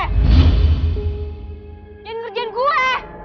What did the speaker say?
jangan ngerjain gue